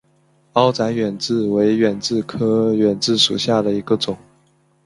凹籽远志为远志科远志属下的一个种。